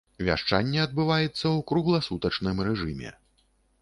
Вяшчанне адбываецца ў кругласутачным рэжыме.